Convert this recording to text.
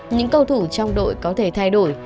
những cầu thủ trong đội có thể thay đổi